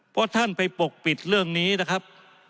เพราะท่านไปปกปิดเรื่องนี้นะครับ